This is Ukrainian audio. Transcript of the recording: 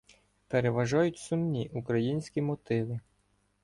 Переважають сумні українські мотиви.